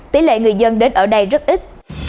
tỷ lệ người dân đến ở đây rất ít